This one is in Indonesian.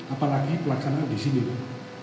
apalagi pelaksanaan di sini pak